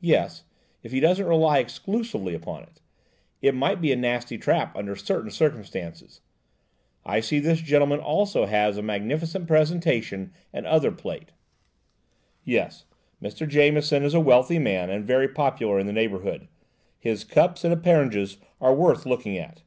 "Yes, if he doesn't rely exclusively upon it; it might be a nasty trap under certain circumstances. I see this gentleman also has magnificent presentation and other plate." "Yes. Mr. Jameson is a wealthy man and very popular in the neighbourhood; his cups and epergnes are worth looking at."